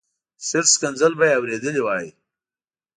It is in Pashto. شل ښکنځل به یې اورېدلي وای.